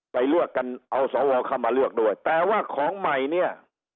ไปเลือกกันเอาสวเข้ามาเลือกด้วยแต่ว่าของใหม่เนี่ย